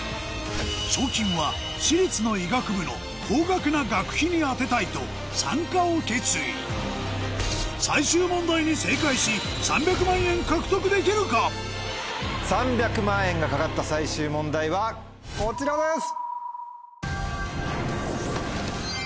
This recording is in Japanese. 賞金は私立の医学部の高額な学費に充てたいと参加を決意最終問題に正解し３００万円が懸かった最終問題はこちらです！